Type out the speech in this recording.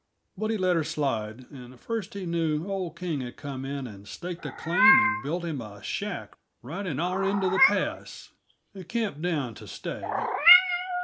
But he let her slide, and first he knew old King had come in and staked a claim and built him a shack right in our end of the pass, and camped down to stay.